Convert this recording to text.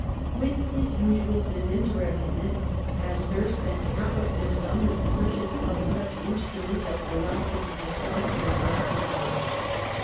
With his usual disinterested ness, Pasteur spent half of this sum in the pur chase of such instruments as were lacking in the Strasburg laboratory.